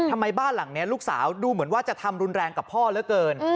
ทำไมบ้านหลังนี้ลูกสาวดูเหมือนว่าจะทำรุนแรงกับพ่อเหลือเกิน